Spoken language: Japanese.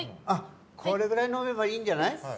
あっこれぐらい飲めばいいんじゃない？